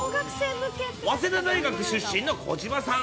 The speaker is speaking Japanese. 早稲田大学出身の小島さん。